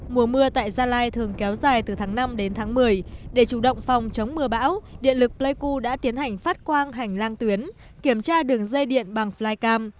mùa mưa tại gia lai thường kéo dài từ tháng năm đến tháng một mươi để chủ động phòng chống mưa bão điện lực pleiku đã tiến hành phát quang hành lang tuyến kiểm tra đường dây điện bằng flycam